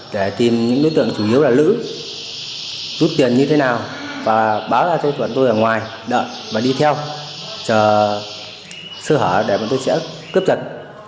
để tìm những đối tượng chủ yếu là lữ rút tiền như thế nào và báo ra cho chúng tôi ở ngoài đợi và đi theo chờ sơ hở để chúng tôi sẽ cướp giật